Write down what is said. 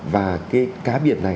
và cái cá biệt này